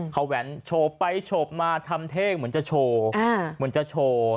เขาแว้นโฉบไปโฉบมาทำเทคเหมือนจะโชว์